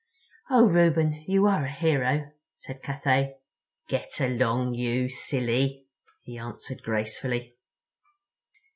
"Oh, Reuben, you are a hero," said Cathay. "Get along, you silly," he answered gracefully.